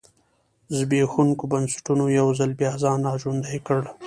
زبېښونکو بنسټونو یو ځل بیا ځان را ژوندی کړ.